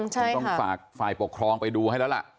คงต้องฝากฝ่ายปกครองไปดูให้แล้วล่ะ